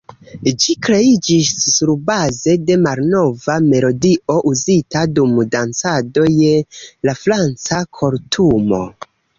Ĝi kreiĝis surbaze de malnova melodio uzita dum dancado je la Franca kortumo.